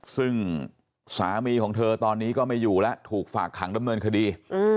ซึ่งสามีของเธอตอนนี้ก็ไม่อยู่แล้วถูกฝากขังดำเนินคดี